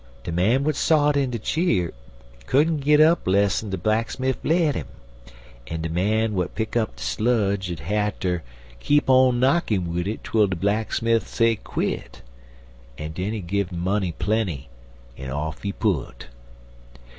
De man w'at sot in de cheer couldn't git up less'n de blacksmif let 'im, en de man w'at pick up de sludge 'ud hatter keep on knockin' wid it twel de blacksmif say quit; en den he gun 'im money plenty, en off he put.